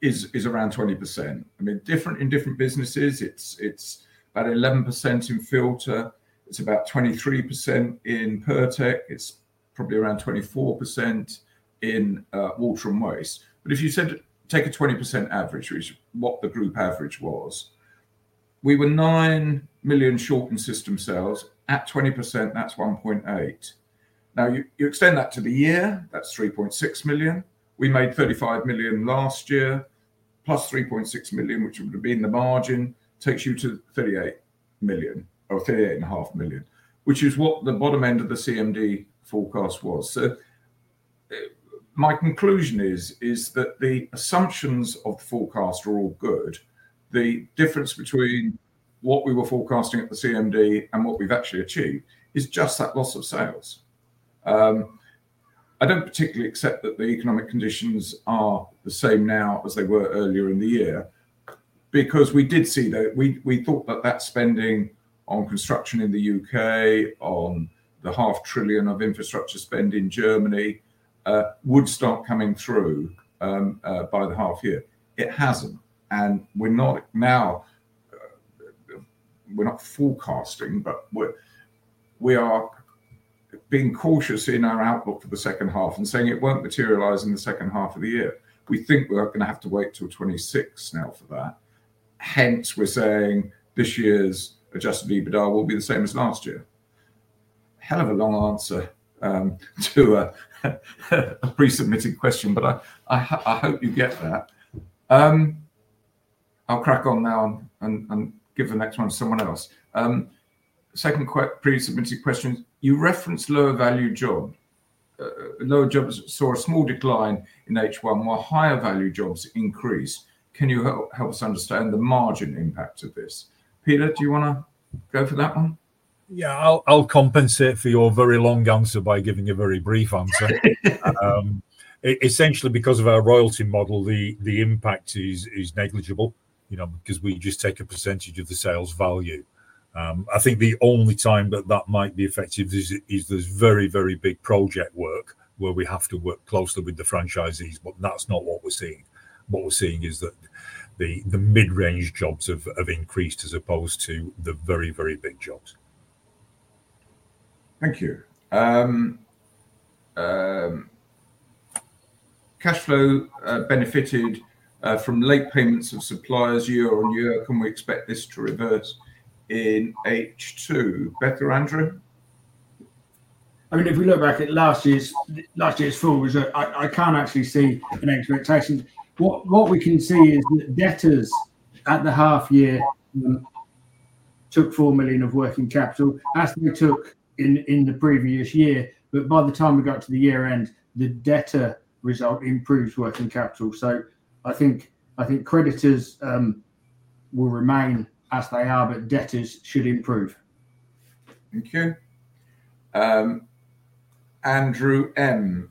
is around 20%. I mean, different in different businesses. It's about 11% in Filta. It's about 23% in Pirtek. It's probably around 24% in Water & Waste. If you said take a 20% average, which is what the group average was, we were 9 million short in System Sales. At 20%, that's 1.8 million. You extend that to the year, that's 3.6 million. We made 35 million last year, +3.6 million, which would have been the margin, takes you to 38 million, or 38.5 million, which is what the bottom end of the CMD forecast was. My conclusion is that the assumptions of the forecast are all good. The difference between what we were forecasting at the CMD and what we've actually achieved is just that loss of sales. I don't particularly accept that the economic conditions are the same now as they were earlier in the year because we did see that we thought that that spending on construction in the U.K., on the half trillion of infrastructure spend in Germany, would start coming through by the half year. It hasn't. We're not now forecasting, but we are being cautious in our outlook for the second half and saying it won't materialize in the second half of the year. We think we're going to have to wait till 2026 now for that. Hence, we're saying this year's adjusted EBITDA will be the same as last year. Have a long answer to a pre-submitted question, but I hope you get that. I'll crack on now and give the next one to someone else. Second pre-submitted question, you referenced lower value jobs. Lower jobs saw a small decline in H1, while higher value jobs increased. Can you help us understand the margin impact of this? Peter, do you want to go for that one? Yeah, I'll compensate for your very long answer by giving a very brief answer. Essentially, because of our royalty model, the impact is negligible because we just take a percentage of the sales value. I think the only time that that might be effective is there's very, very big project work where we have to work closely with the franchisees, but that's not what we're seeing. What we're seeing is that the mid-range jobs have increased as opposed to the very, very big jobs. Thank you. Cash flow benefited from late payments of suppliers year on year. Can we expect this to revert in H2? Better, Andrew? I mean, if we look back at last year's full result, I can't actually see an expectation. What we can see is that debtors at the half year took 4 million of working capital as we took in the previous year. By the time we got to the year-end, the debtor result improved working capital. I think creditors will remain as they are, but debtors should improve. Thank you. Andrew M.,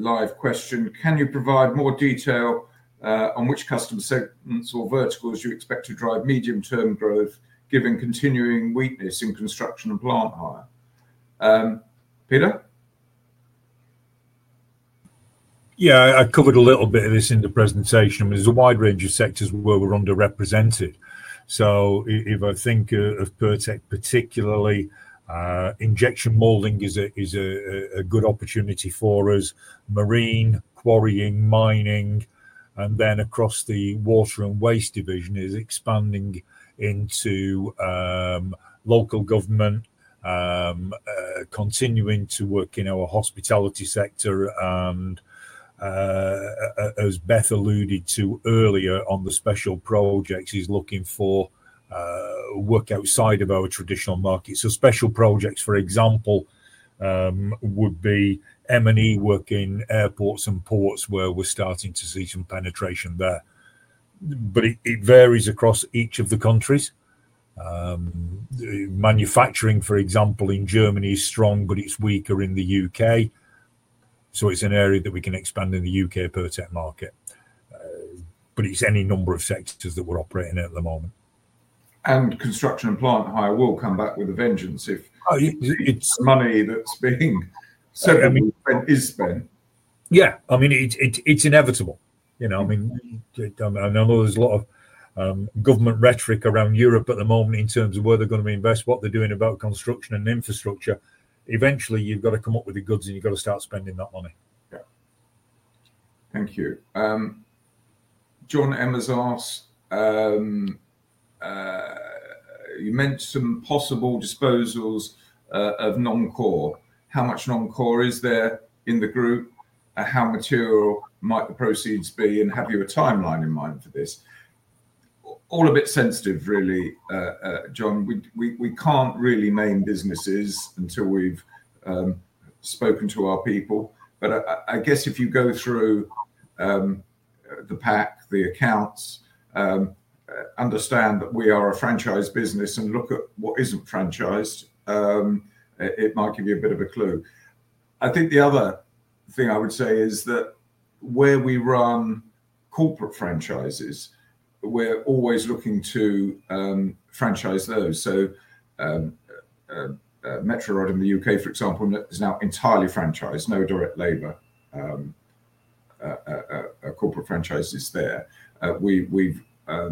live question. Can you provide more detail on which customer segments or verticals you expect to drive medium-term growth given continuing weakness in construction and plant hire? Peter? Yeah. I covered a little bit of this in the presentation. There's a wide range of sectors where we're underrepresented. If I think of Pirtek particularly, injection molding is a good opportunity for us. Marine, quarrying, mining, and then across the Water & Waste Division is expanding into local government, continuing to work in our hospitality sector. As Beth alluded to earlier on the special projects, he's looking for work outside of our traditional market. Special projects, for example, would be M&E work in airports and ports where we're starting to see some penetration there. It varies across each of the countries. Manufacturing, for example, in Germany is strong, but it's weaker in the U.K.. It's an area that we can expand in the U.K. Pirtek market. It's any number of sectors that we're operating at the moment. Construction and plant hire will come back with a vengeance if it's money that's being spent. Yeah, I mean, it's inevitable. I know there's a lot of government rhetoric around Europe at the moment in terms of where they're going to invest, what they're doing about construction and infrastructure. Eventually, you've got to come up with the goods, and you've got to start spending that money. Thank you. John M. has asked, you mentioned some possible disposals of non-core. How much non-core is there in the group? How material might the proceeds be? And have you a timeline in mind for this? All a bit sensitive, really, John. We can't really name businesses until we've spoken to our people. I guess if you go through the pack, the accounts, understand that we are a franchise business and look at what isn't franchised, it might give you a bit of a clue. I think the other thing I would say is that where we run corporate franchises, we're always looking to franchise those. Metro Rod in the U.K., for example, is now entirely franchised. No direct labor corporate franchises there. We've started a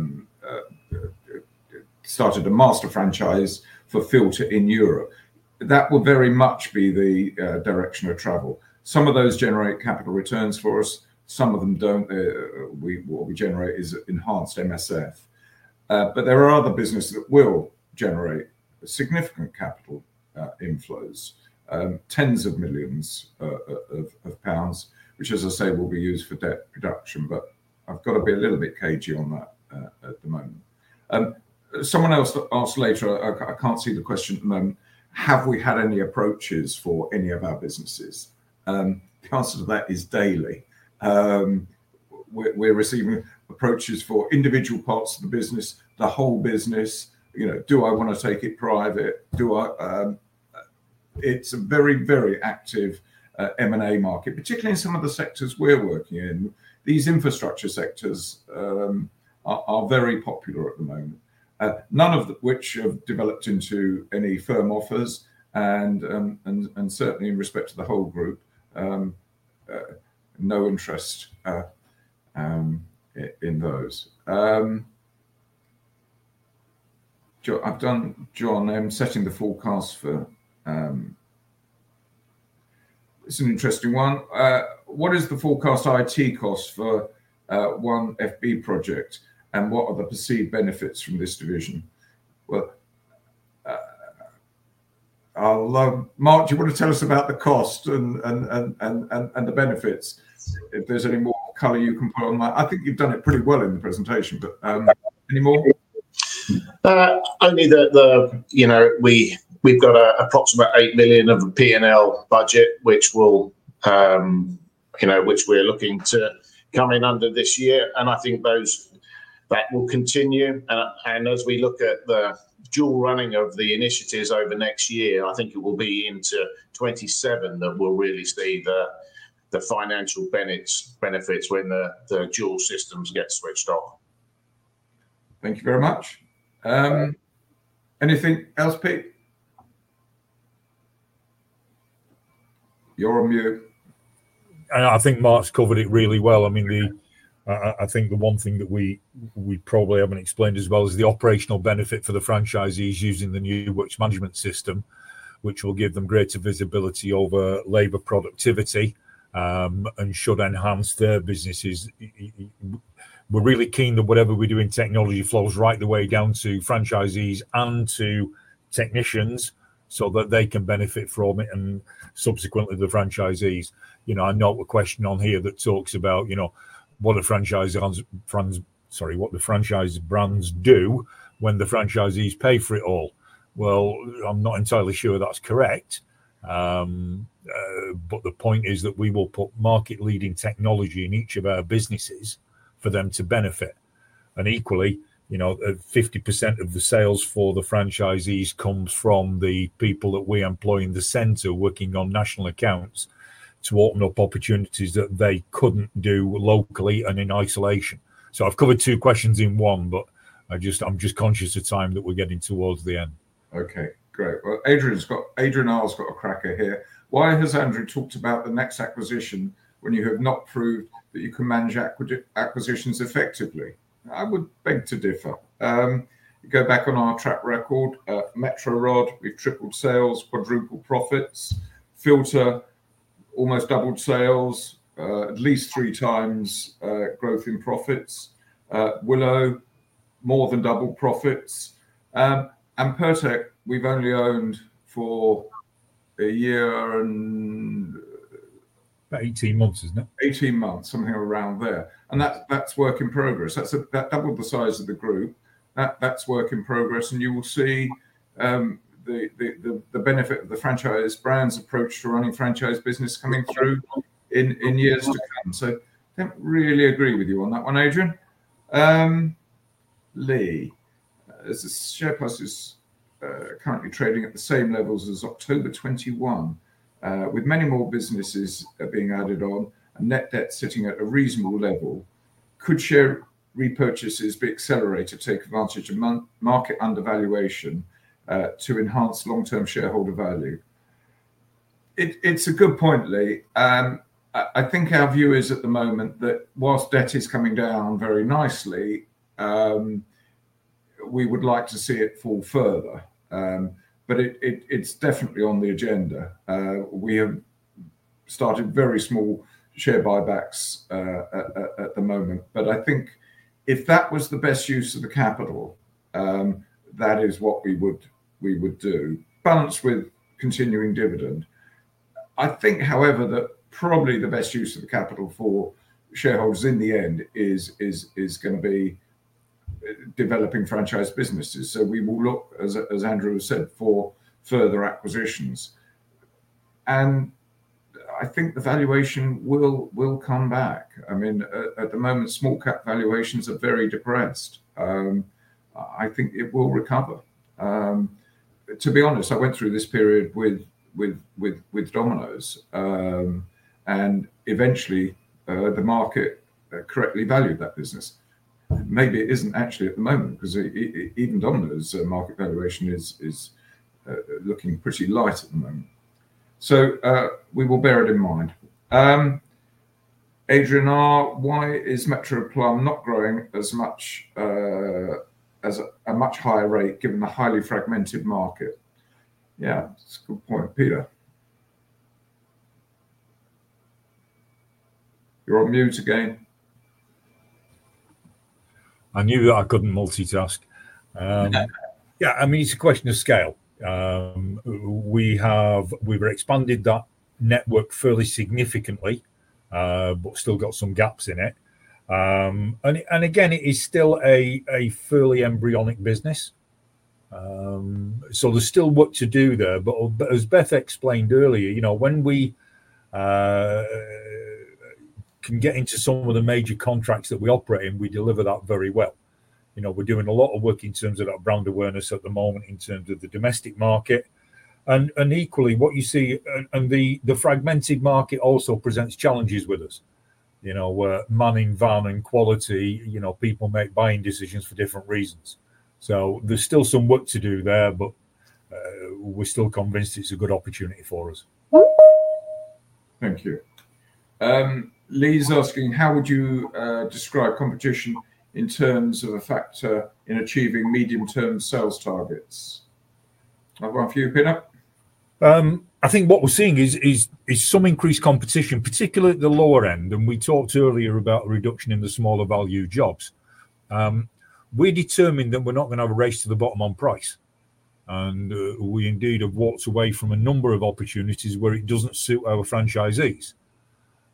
master franchise for Filta in Europe. That will very much be the direction of travel. Some of those generate capital returns for us. Some of them don't. What we generate is enhanced NSF. There are other businesses that will generate significant capital inflows, tens of millions of pounds, which, as I say, will be used for debt reduction. I've got to be a little bit cagey on that at the moment. Someone else asked later, I can't see the question, and then, have we had any approaches for any of our businesses? The answer to that is daily. We're receiving approaches for individual parts of the business, the whole business. You know, do I want to take it private? It's a very, very active M&A market, particularly in some of the sectors we're working in. These infrastructure sectors are very popular at the moment, none of which have developed into any firm offers. Certainly, in respect to the whole group, no interest in those. I've done John M. setting the forecast for... It's an interesting one. What is the forecast IT cost for One FB project? And what are the perceived benefits from this division? Mark, do you want to tell us about the cost and the benefits? If there's any more color you can put on that, I think you've done it pretty well in the presentation, but any more? Only that we've got an approximate 8 million of a P&L budget, which we're looking to come in under this year. I think both that will continue. As we look at the dual running of the initiatives over next year, I think it will be into 2027 that we'll really see the financial benefits when the dual systems get switched on. Thank you very much. Anything else, Pete? You're on mute. I think Mark's covered it really well. I mean, I think the one thing that we probably haven't explained as well is the operational benefit for the franchisees using the new works management system, which will give them greater visibility over labor productivity and should enhance their businesses. We're really keen that whatever we do in technology flows right the way down to franchisees and to technicians so that they can benefit from it and subsequently the franchisees. I note a question on here that talks about, you know, what do Franchise Brands do when the franchisees pay for it all? I'm not entirely sure that's correct. The point is that we will put market-leading technology in each of our businesses for them to benefit. Equally, 50% of the sales for the franchisees comes from the people that we employ in the center working on national accounts to open up opportunities that they couldn't do locally and in isolation. I've covered two questions in one, but I'm just conscious of time that we're getting towards the end. Okay, great. Adrian's got a cracker here. Why has Andrew talked about the next acquisition when you have not proved that you can manage acquisitions effectively? I would think to differ. You go back on our track record. Metro Rod, we've tripled sales, quadrupled profits. Filta, almost doubled sales, at least 3x growth in profits. Willow Pumps, more than doubled profits. And Pirtek, we've only owned for a year and... 18 months, isn't it? 18 months, something around there. That's work in progress. That's double the size of the group. That's work in progress. You will see the benefit of the Franchise Brands approach to running franchise business coming through in years to come. I don't really agree with you on that one, Adrian. Lee, Share Price is currently trading at the same levels as October 2021, with many more businesses being added on, net debt sitting at a reasonable level. Could share repurchases be accelerated to take advantage of market undervaluation to enhance long-term shareholder value? It's a good point, Lee. I think our view is at the moment that whilst debt is coming down very nicely, we would like to see it fall further. It's definitely on the agenda. We have started very small share buybacks at the moment. I think if that was the best use of the capital, that is what we would do, balanced with continuing dividend. I think, however, that probably the best use of the capital for shareholders in the end is going to be developing franchise businesses. We will look, as Andrew Mallows said, for further acquisitions. I think the valuation will come back. At the moment, small cap valuations are very depressed. I think it will recover. To be honest, I went through this period with Domino's. Eventually, the market correctly valued that business. Maybe it isn't actually at the moment because even Domino's market valuation is looking pretty light at the moment. We will bear it in mind. Adrian, why is Metro Plumb not growing at a much higher rate given the highly fragmented market? Yeah, that's a good point. Peter, you're on mute again. I knew I couldn't multitask. Yeah, I mean, it's a question of scale. We have expanded that network fairly significantly, but still got some gaps in it. It is still a fairly embryonic business, so there's still work to do there. As Beth explained earlier, you know, when we can get into some of the major contracts that we operate in, we deliver that very well. We're doing a lot of work in terms of that brand awareness at the moment in terms of the domestic market. Equally, what you see, and the fragmented market also presents challenges with us. We're manning van and quality. People make buying decisions for different reasons. There's still some work to do there, but we're still convinced it's a good opportunity for us. Thank you. Lee's asking, how would you describe competition in terms of a factor in achieving medium-term sales targets? I've one for you, Peter. I think what we're seeing is some increased competition, particularly at the lower end. We talked earlier about a reduction in the smaller value jobs. We determined that we're not going to have a race to the bottom on price. We indeed have walked away from a number of opportunities where it doesn't suit our franchisees.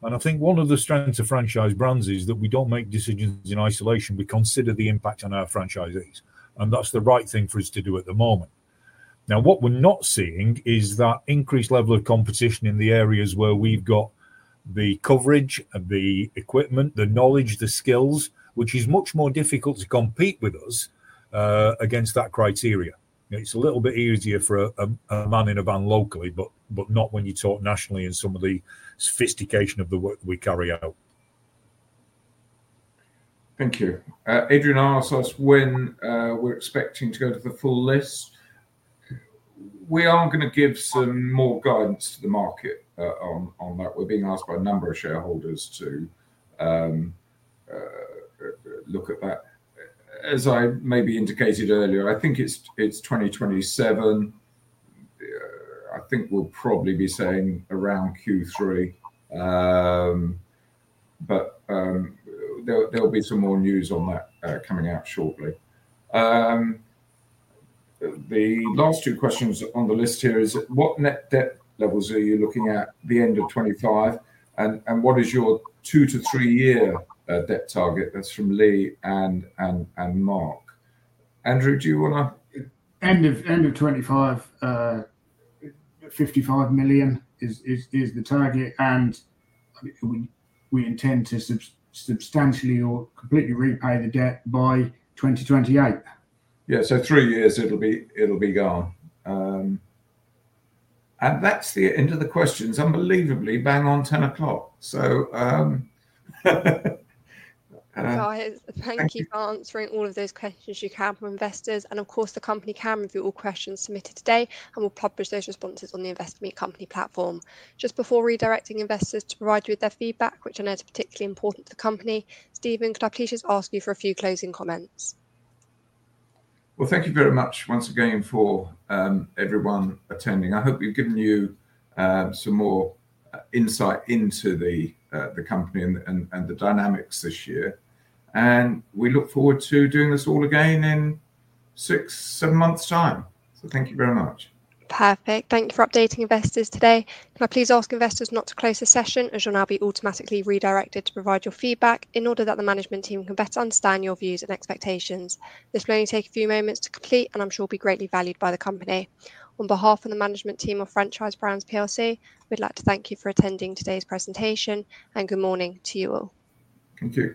I think one of the strengths of Franchise Brands is that we don't make decisions in isolation. We consider the impact on our franchisees, and that's the right thing for us to do at the moment. What we're not seeing is that increased level of competition in the areas where we've got the coverage, the equipment, the knowledge, the skills, which is much more difficult to compete with us against that criteria. It's a little bit easier for a man in a van locally, but not when you talk nationally and some of the sophistication of the work we carry out. Thank you. Adrian asks us when we're expecting to go to the full list. We are going to give some more guidance to the market on that. We're being asked by a number of shareholders to look at that. As I maybe indicated earlier, I think it's 2027. I think we'll probably be saying around Q3. There will be some more news on that coming out shortly. The last two questions on the list here are what net debt levels are you looking at at the end of 2025, and what is your two to three-year debt target? That's from Lee and Mark. Andrew, do you want to...? End of 2025, 55 million is the target. We intend to substantially or completely repay the debt by 2028. Yeah, three years, it'll be gone. That's the end of the questions. Unbelievably, bang on 10:00 A.M. So... Thank you for answering all of those questions you have from investors. The company can review all questions submitted today, and we'll publish those responses on the Investor Meet Company platform. Just before redirecting investors to provide you with their feedback, which I know is particularly important to the company, Stephen, could I please just ask you for a few closing comments? Thank you very much once again for everyone attending. I hope we've given you some more insight into the company and the dynamics this year. We look forward to doing this all again in six, seven months' time. Thank you very much. Perfect. Thank you for updating investors today. Can I please ask investors not to close the session as you'll now be automatically redirected to provide your feedback in order that the management team can better understand your views and expectations. This may only take a few moments to complete, and I'm sure it'll be greatly valued by the company. On behalf of the management team of Franchise Brands plc, we'd like to thank you for attending today's presentation. Good morning to you all. Thank you.